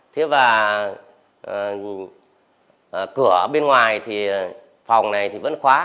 thế và cửa bên ngoài thì phòng này thì vẫn khóa